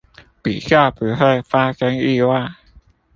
比較不會發生意外